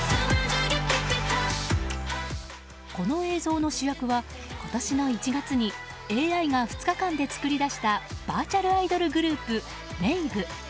この映像の主役は今年の１月にＡＩが２日間で作り出したバーチャルアイドルグループＭＡＶＥ。